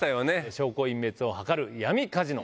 証拠隠滅を図る闇カジノ。